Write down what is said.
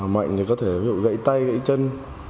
mạnh thì có thể gãy tay gãy chân